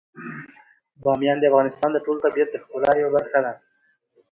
بامیان د افغانستان د ټول طبیعت د ښکلا یوه برخه ده.